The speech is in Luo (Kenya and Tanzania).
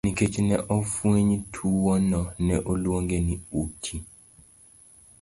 Nikech ne ofweny tuwono ne oluonge ni uti.